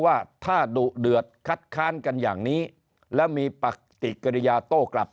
ว่าถ้าดุเดือดคัดค้านกันอย่างนี้แล้วมีปฏิกิริยาโต้กลับ